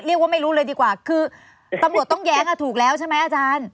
เรียกว่าไม่รู้เลยดีกว่าคือตำลวดต้องแย้งอ่ะถูกแล้วใช่ไหมอาจารย์